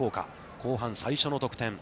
後半最初の得点。